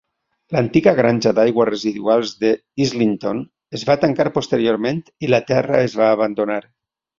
L'antiga granja d'aigües residuals de Islington es va tancar posteriorment i la terra es va abandonar.